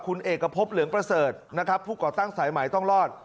คุณเอกพบเหลืองประเสริฐนะครับผู้ก่อตั้งสายหมายต้องรอด